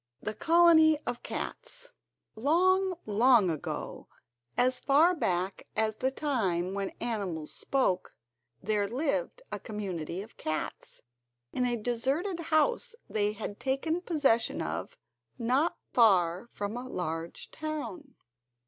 The Colony Of Cats Long, long ago, as far back as the time when animals spoke, there lived a community of cats in a deserted house they had taken possession of not far from a large town.